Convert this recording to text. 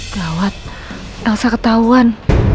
perawat elsa ketauan